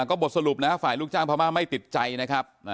ก็บทสรุปนะฝ่ายลูกจ้างพม่าไม่ติดใจนะครับ